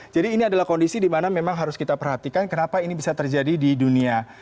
jadi ini adalah kondisi di mana memang harus kita perhatikan kenapa ini bisa terjadi di dunia